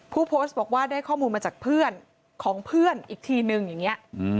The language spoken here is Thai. ผู้โพสต์บอกว่าได้ข้อมูลมาจากเพื่อนของเพื่อนอีกทีนึงอย่างนี้